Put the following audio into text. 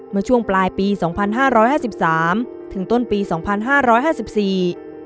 เมื่อช่วงปลายปีสองพันห้าร้อยห้าสิบสามถึงต้นปีสองพันห้าร้อยห้าสิบสี่